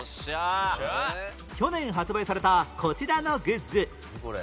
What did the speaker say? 去年発売されたこちらのグッズ